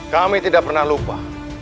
kami tidak pernah lupa